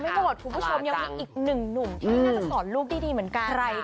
เยี่ยมไม่ผู้ผู้ชมยังมีอีกหนึ่งหนุ่มที่ยังน่าจะสอนลูกดีเหมือนกัน